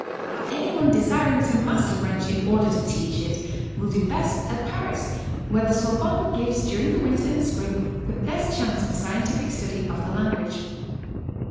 Any one desiring to master French in order to teach it, will do best at Paris, where the Sorbonne gives during the winter and spring the best chance for scientific study of the language.